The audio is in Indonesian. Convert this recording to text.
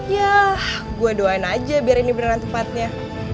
yah gue doain aja biar ini beneran tempatnya